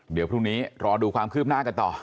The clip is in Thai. เดี๋ยวพรุ่งนี้รอดูความคืบหน้ากันต่อ